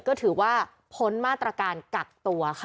ก็ถือว่าพ้นมาตรการกักตัวค่ะ